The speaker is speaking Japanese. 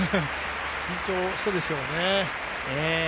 緊張したでしょうね。